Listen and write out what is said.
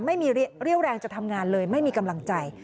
ไม่มีเรี่ยวแรงจะทำงานเลยไม่มีกำลังใจ